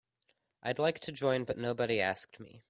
I'd like to join but nobody asked me.